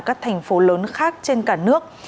các thành phố lớn khác trên cả nước